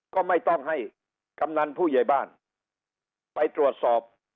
ก็ไม่ต้องให้กำนันผู้ใหญ่บ้านไปตรวจสอบ